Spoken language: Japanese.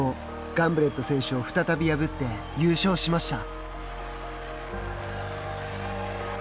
ガンブレット選手を再び破って優勝しました。